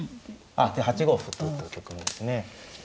あで８五歩と打った局面ですね。